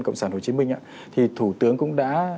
cộng sản hồ chí minh thì thủ tướng cũng đã